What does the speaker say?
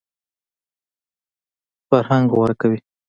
فرهنګ غوره کوي.